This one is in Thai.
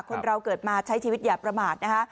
คนเราเกิดมาใช้ชีวิตอย่าประมาทนะคะ